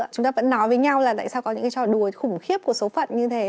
chúng ta vẫn nói với nhau là tại sao có những cái trò đùa khủng khiếp của số phận như thế